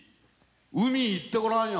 海行ってごらんよ。